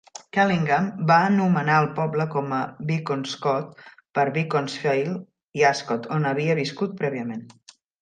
Callingham va anomenar el poble com a "Bekonscot", per Beaconsfield i Ascot, on havia viscut prèviament.